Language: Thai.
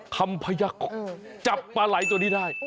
คำพยักจับปลาไหล่ตัวนี้ได้